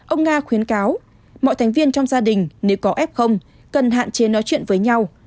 ông nga khuyến cáo mọi thành viên trong gia đình nếu có f cần hạn chế nói chuyện với nhau